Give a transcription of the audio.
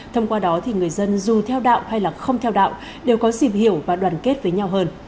thông qua đó thì người dân dù theo đạo hay là không theo đạo đều có dịp hiểu và đoàn kết với nhau hơn